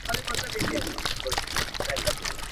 توتکۍ یې کړه په ټولو ملامته !.